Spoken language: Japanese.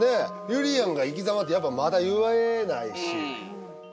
ゆりやんが生きざまってやっぱまだ言えないし。